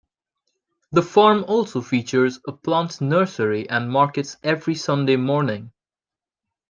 The farm also features a plant nursery and markets every Sunday morning.